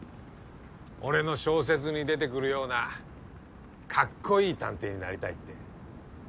俺の小説に出てくるようなカッコイイ探偵になりたいって。